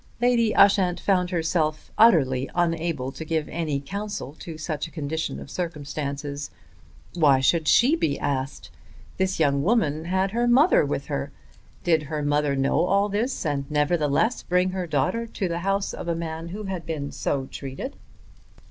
Lady Ushant found herself utterly unable to give any counsel to such a condition of circumstances. Why should she be asked? This young woman had her mother with her. Did her mother know all this, and nevertheless bring her daughter to the house of a man who had been so treated!